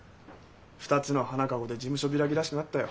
２つの花籠で事務所開きらしくなったよ。